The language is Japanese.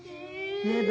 え。